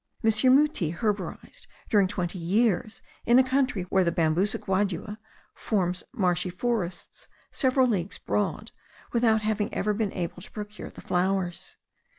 N. Mutis herborised during twenty years in a country where the Bambusa guadua forms marshy forests several leagues broad, without having ever been able to procure the flowers.